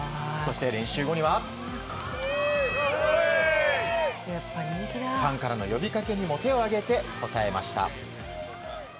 そして練習後にはファンからの呼びかけにも手を上げて応えました。